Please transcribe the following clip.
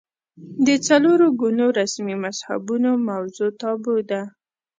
د څلور ګونو رسمي مذهبونو موضوع تابو ده